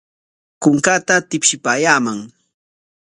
Kunkaata tipshipaayaaman.